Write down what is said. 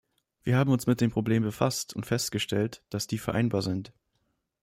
Wir haben uns mit dem Problem befasst und festgestellt, dass die vereinbar sind.